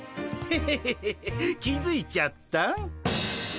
ヘヘヘヘヘッ気付いちゃった？